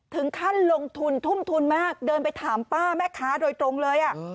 ถึงขั้นลงทุนทุ่มทุนมากเดินไปถามป้าแม่ค้าโดยตรงเลย